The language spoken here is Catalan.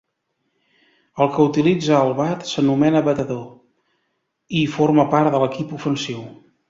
El que utilitza el bat, s'anomena batedor, i forma part de l'equip ofensiu.